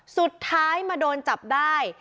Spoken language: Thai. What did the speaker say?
สุดท้ายมาโดนจับได้